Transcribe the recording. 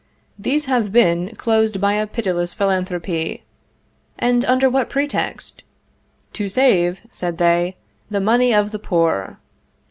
These have been closed by a pitiless philanthropy; and under what pretext? "To save," said they, "the money of the poor."